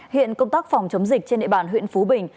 hiện công tác phòng chống dịch trên địa bàn huyện phú bình